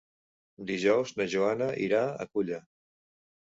Dijous na Joana irà a Culla.